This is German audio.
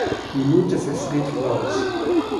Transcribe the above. Minute für Fred Klaus.